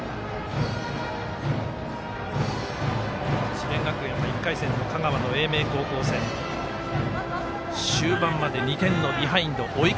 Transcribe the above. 智弁学園は１回戦の香川の英明高校戦終盤まで２点のビハインド。